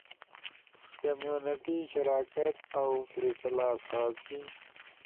کمیونٹی شراکت اؤ فیصلہ سازی۔